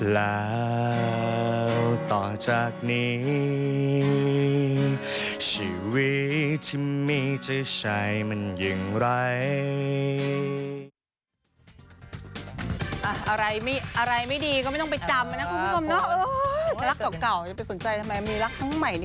แล้วต่อจากนี้ชีวิตที่ไม่จะใช่มันอย่างไร